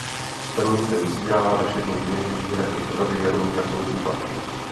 Stanice vysílá ve všední dny výhradně pořady Jaromíra Soukupa.